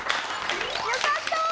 よかった！